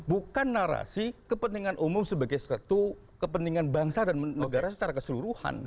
bukan narasi kepentingan umum sebagai satu kepentingan bangsa dan negara secara keseluruhan